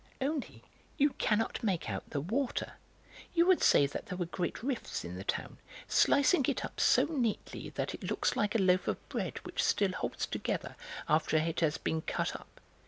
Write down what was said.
Only, you cannot make out the water; you would say that there were great rifts in the town, slicing it up so neatly that it looks like a loaf of bread which still holds together after it has been cut up.